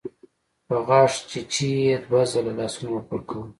په غاښچيچي يې دوه ځله لاسونه وپړکول.